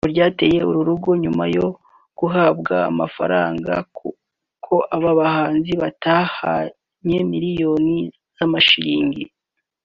ngo ryateye uru rugo nyuma yo guhabwa amakuru ko aba bahanzi batahanye miliyoni z’amashiringi